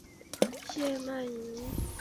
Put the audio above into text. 谢曼怡。